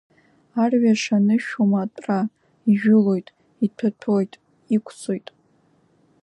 Арҩаш анышәом атәра, ижәылоит, иҭәаҭәоит, иқәҵоит.